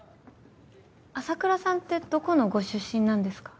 麻倉さんってどこのご出身なんですか？